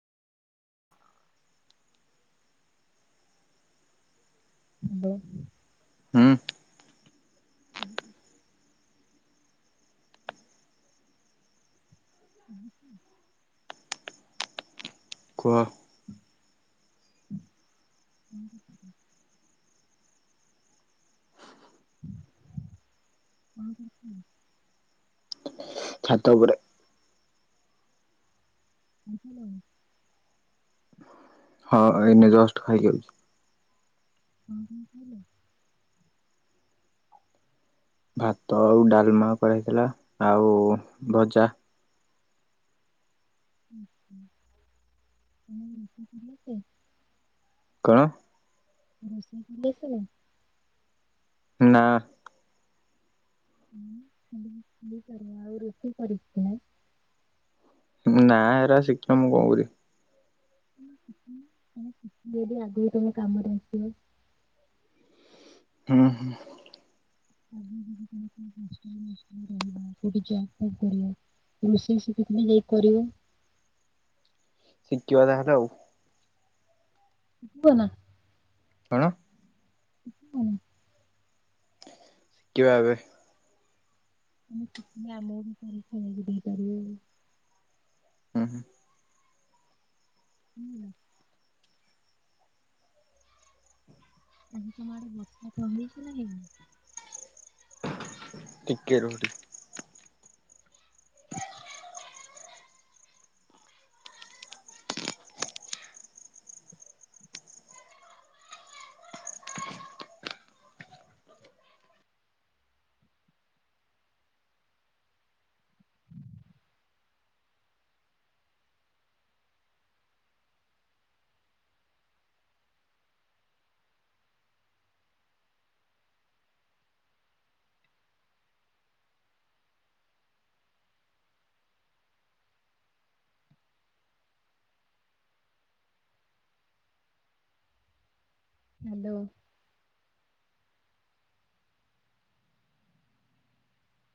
[inaudible] ହୁଁ। ହୁଁ। ହୁଁ ହୁଁ। କୁହ। [unintelligible] [inaudible] ଛାତ ଉପରେ। [inaudible] ହଁ ଏଇନେ ଜଷ୍ଟ୍ ଖାଇକି ଆଉଚି। [inaudible] ଭାତ ଆଉ ଡାଲ୍ମା କରାହେଇଥିଲା ଆଉ ଭଜା। [unintelligible] କଣ? ରୋଷେଇ କରି ଆସିଶାରିଲନି। ନା। [unintelligible] ଆଉ ରୋଷେଇ କରିବ କି ନାଇ। ନା ଏଗୁରା ଶିଖିକି ମୁଁ କଣ କରିବି। ଶିଖିଲେ ଆଗକୁ ତମ କାମରେ ଆସିବ। ହୁଁ ହୁଁ। [unintelligible] [inaudible] ରୋଷେଇ ବସରେ ହେଲ୍ପ କରିବ। ଶିଖିବା ତାହେଲେ ଆଉ। ଶିଖିବ ନା। କଣ? [unintelligible] ଶିଖିବା ଏବେ। ଆମେ ଶିଖିକି ଆମ ଘରକୁ ବି ଦେଇପାରିବୁ ଆଉ। ହୁଁ ହୁଁ। ହୁଁ। ଆଜି ତମ ଆଡେ ବର୍ଷା କଣ ହେଇଚି ନା ହେଇନି। ଟିକେ ରୁହ। ହ୍ୟାଲୋ।